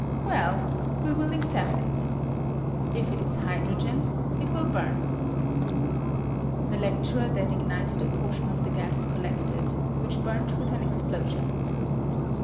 Well, we will examine it. If it is hydrogen it will bum. [The lecturer then ignited a portion of the gas collected, which burnt with an explosion.